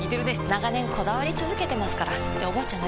長年こだわり続けてますからっておばあちゃん